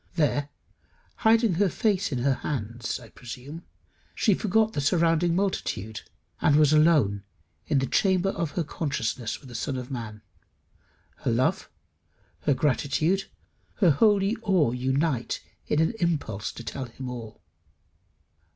There, hiding her face in her hands, I presume, she forgot the surrounding multitude, and was alone in the chamber of her consciousness with the Son of Man. Her love, her gratitude, her holy awe unite in an impulse to tell him all.